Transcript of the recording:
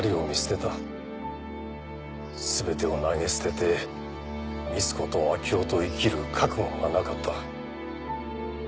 全てを投げ捨てて光子と明生と生きる覚悟がなかった。